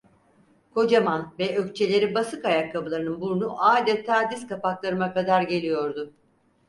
Kocaman ve ökçeleri basık ayakkaplarının burnu adeta diz kapaklarıma kadar geliyordu.